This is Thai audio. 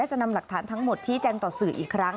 จะนำหลักฐานทั้งหมดชี้แจงต่อสื่ออีกครั้ง